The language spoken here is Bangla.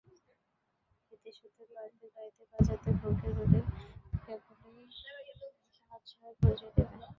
খেতে-শুতে-পরতে, গাইতে-বাজাতে, ভোগে-রোগে কেবলই সৎসাহসের পরিচয় দিবি।